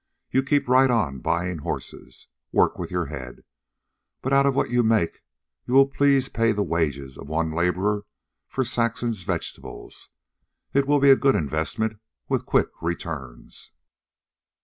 You keep right on buying horses. Work with your head. But out of what you make you will please pay the wages of one laborer for Saxon's vegetables. It will be a good investment, with quick returns."